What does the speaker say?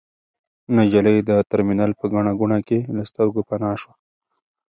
نجلۍ د ترمینل په ګڼه ګوڼه کې له سترګو پناه شوه.